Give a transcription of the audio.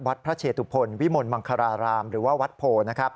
พระเชตุพลวิมลมังคารารามหรือว่าวัดโพ